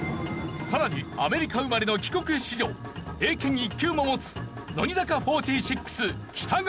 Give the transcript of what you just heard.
さらにアメリカ生まれの帰国子女英検１級も持つ乃木坂４６北川。